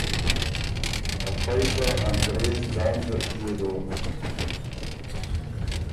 افئ خه انګرېز ځان زر پئے دوک۔